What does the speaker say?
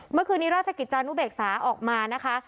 เมื่อคืนนี้ราชกิจจานุเบกษาออกมานะคะ